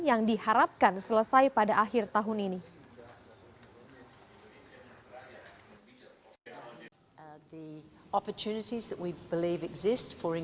yang diharapkan selesai pada akhir tahun ini